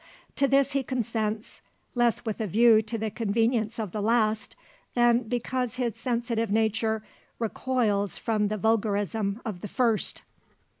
To this he consents; less with a view to the convenience of the last, than because his sensitive nature recoils from the vulgarism of the first.